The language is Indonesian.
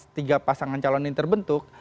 tiga pasangan calon ini terbentuk